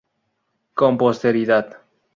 Con posteridad.